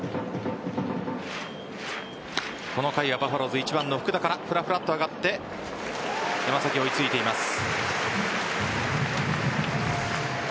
この回はバファローズ、１番の福田からふらふらっと上がって山崎、追いついています。